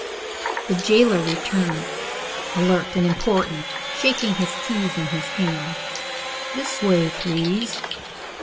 The jailer returned, alert and important, shaking the keys in his hand. "This way, please."